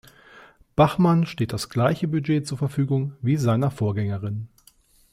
Bachmann steht das gleiche Budget zur Verfügung wie seiner Vorgängerin.